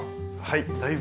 はい。